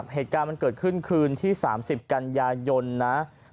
เหตุการณ์มันเกิดขึ้นคืนที่๓๐กันยายนนะ